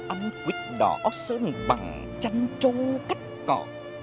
ăn quýt đỏ ốc sơn bằng chanh trâu cắt cỏ